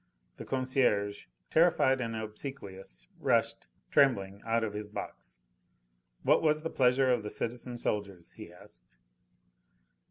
The concierge, terrified and obsequious, rushed trembling out of his box. "What was the pleasure of the citizen soldiers?" he asked.